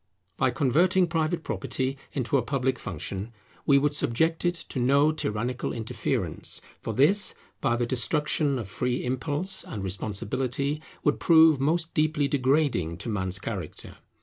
By converting private property into a public function, we would subject it to no tyrannical interference; for this, by the destruction of free impulse and responsibility, would prove most deeply degrading to man's character.